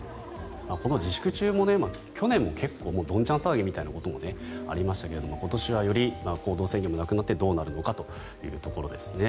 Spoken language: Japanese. この自粛中も去年も結構ドンチャン騒ぎということがありましたが今年はより行動制限もなくなってどうなるのかというところです。